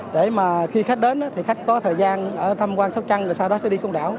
để khi khách đến khách có thời gian thăm quan sóc trăng sau đó sẽ đi công đảo